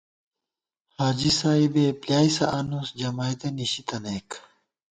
حاجی سائبےبۡلیائیسہ آنُس جمائیدہ نِشی تَنَئیک